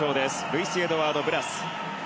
ルイス・エドワード・ブラス。